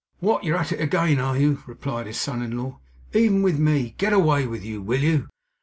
'What, you're at it again, are you?' replied his son in law. 'Even with me? Get away with you, will you?